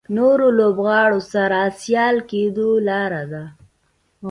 نورو لوبغاړو سره سیال کېدو لاره ده.